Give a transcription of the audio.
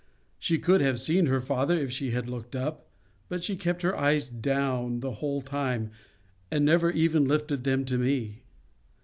She could have seen her father if she had looked up, but she kept her eyes down the whole time, and never even lifted them to me.